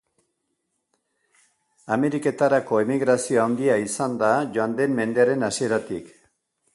Ameriketarako emigrazio handia izan da joan den mendearen hasieratik.